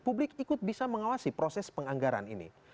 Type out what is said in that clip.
publik ikut bisa mengawasi proses penganggaran ini